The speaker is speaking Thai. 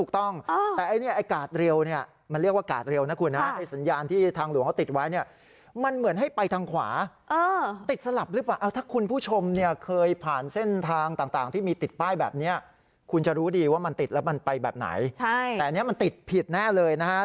ก็ทำให้คนที่ขับรถปลามันก็ทำให้คนที่ขับรถปลามันก็ทำให้คนที่ขับรถปลามันก็ทำให้คนที่ขับรถปลามันก็ทำให้คนที่ขับรถปลามันก็ทำให้คนที่ขับรถปลามันก็ทำให้คนที่ขับรถปลามันก็ทำให้คนที่ขับรถปลามันก็ทำให้คนที่ขับรถปลามันก็ทำให้คนที่ขับรถปลามันก็ทำให้คนที่ขับรถปลามันก